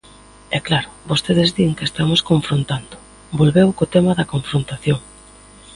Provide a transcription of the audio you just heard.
E, claro, vostedes din que estamos confrontando, volveu co tema da confrontación.